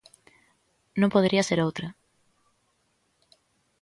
Non podería ser outra.